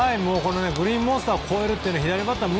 グリーンモンスターを越えるのは、左バッターは